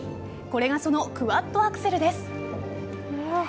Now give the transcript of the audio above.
これがそのクワッドアクセルです。